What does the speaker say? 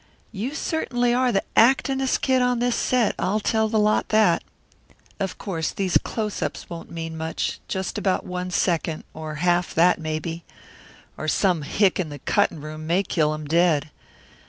"You certainly are the actin'est kid on this set, I'll tell the lot that. Of course these close ups won't mean much, just about one second, or half that maybe. Or some hick in the cuttin' room may kill 'em dead.